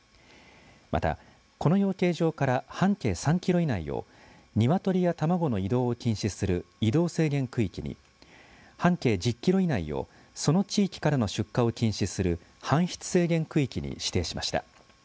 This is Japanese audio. また、この養鶏場から半径３キロ以内を鶏や卵の移動を禁止する移動制限区域に半径１０キロ以内をその地域からの出荷を禁止する搬出制限区域に指定しました。